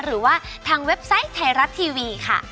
หรือว่าทางเว็บไซต์ไทยรัฐทีวีค่ะ